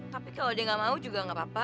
tapi kalau dia nggak mau juga gak apa apa